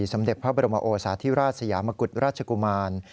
สมเด็จพระบรมโอสาธิราชสยามกุฎราชกุมาร